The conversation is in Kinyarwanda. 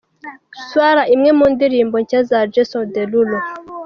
Swalla, imwe mu ndirimbo nshya za Jason Derulo.